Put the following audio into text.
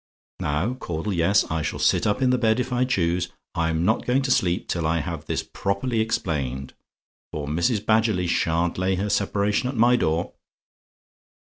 "Now, Caudle yes, I shall sit up in the bed if I choose; I'm not going to sleep till I have this properly explained; for Mrs. Badgerly sha'n't lay her separation at my door.